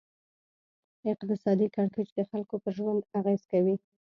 اقتصادي کړکېچ د خلکو پر ژوند اغېز کوي.